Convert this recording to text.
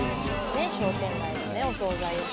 商店街のねお総菜。